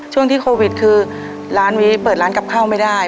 ช่วงที่โควิดคือร้านนี้เปิดร้านกับข้าวไม่ได้